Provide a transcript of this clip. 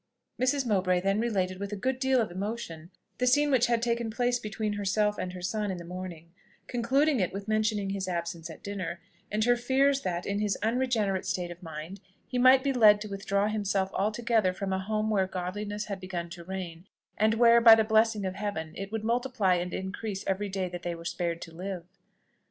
Mrs. Mowbray then related with a good deal of emotion the scene which had taken place between herself and her son in the morning; concluding it with mentioning his absence at dinner, and her fears that, in his unregenerate state of mind, he might be led to withdraw himself altogether from a home where godliness had begun to reign, and where, by the blessing of heaven, it would multiply and increase every day that they were spared to live.